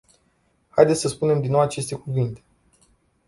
Haideți să spunem din nou aceste cuvinte.